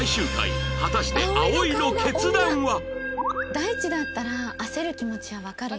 大地だったら焦る気持ちはわかるよね。